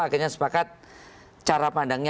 akhirnya sepakat cara pandangnya